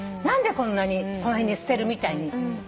何でこんなにこの辺に捨てるみたいに。